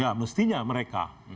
ya mestinya mereka